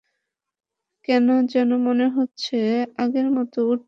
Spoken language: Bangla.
কেন যেন মনে হচ্ছে আগের মতো উড়তে পারবে না?